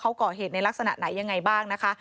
เขาก่อเหตุในลักษณะไหนยังไงบ้างนะคะ